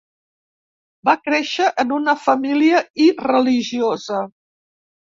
Va créixer en una família irreligiosa.